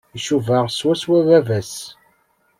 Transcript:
Icuba swaswa baba-s.